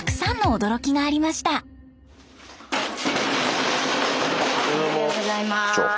おはようございます。